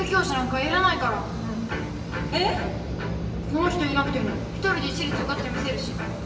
この人いなくても一人で私立受かってみせるし。